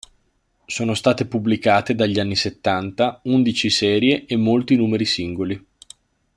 Sono state pubblicate dagli anni settanta undici serie e molti numeri singoli.